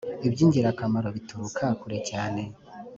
ibyingirakamaro bituruka kurecyane .